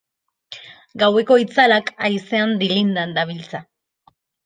Gaueko itzalak haizean dilindan dabiltza.